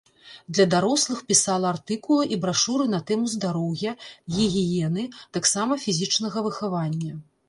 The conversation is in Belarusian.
Для дарослых пісала артыкулы і брашуры на тэму здароўя, гігіены, таксама фізічнага выхавання.